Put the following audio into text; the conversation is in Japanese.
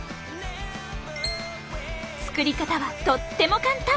作り方はとっても簡単。